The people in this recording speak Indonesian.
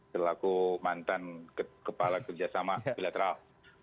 selaku mantan kepala kerjasama bilateral